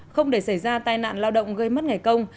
không để xảy ra tai nạn lao động gây mất ngày công